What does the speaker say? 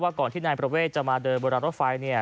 ก่อนที่นายประเวทจะมาเดินบนรางรถไฟ